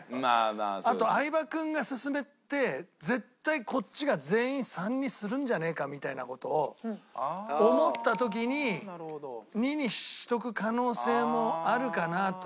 あと相葉君が勧めて絶対こっちが全員３にするんじゃねえかみたいな事を思った時に２にしとく可能性もあるかなと。